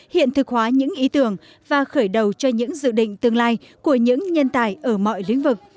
hiện thực hóa những ý tưởng và khởi đầu cho những dự định tương lai của những nhân tài ở mọi lĩnh vực